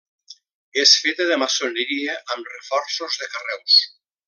És feta de maçoneria amb reforços de carreus.